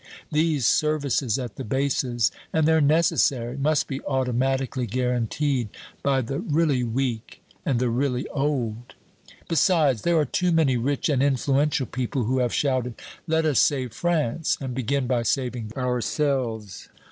These services at the bases, and they're necessary, must be automatically guaranteed by the really weak and the really old." "Besides, there are too many rich and influential people who have shouted, 'Let us save France! and begin by saving ourselves!'